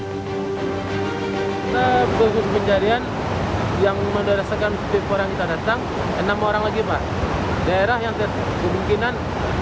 kita berusaha untuk pencarian yang mengerasakan